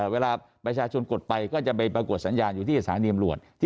เวลาประชาชนกดไปก็จะไปปรากฏสัญญาณอยู่ที่สถานีตำรวจ